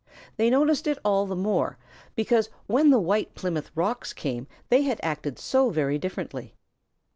They noticed it all the more, because when the White Plymouth Rocks came they had acted so very differently.